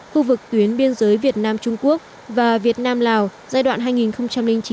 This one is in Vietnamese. khu vực tuyến biên giới việt nam trung quốc và việt nam lào giai đoạn hai nghìn chín hai nghìn một mươi tám